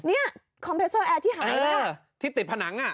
เนี่ยคอมเพสเซอร์แอร์ที่หายแล้วอ่ะเออที่ติดผนังอ่ะ